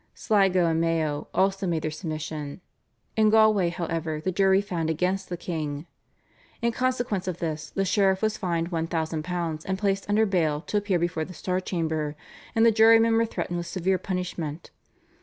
Sligo and Mayo also made their submission. In Galway, however, the jury found against the king. In consequence of this the sheriff was fined £1,000 and placed under bail to appear before the Star Chamber, and the jurymen were threatened with severe punishment.